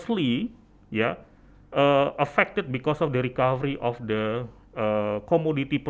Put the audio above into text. berdasarkan penyelamatkan pulau penggunaan komoditas